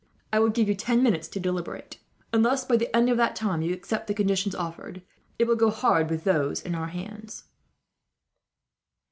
"I will give you ten minutes to deliberate. Unless by the end of that time you accept the conditions offered, it will go hard with those in our hands."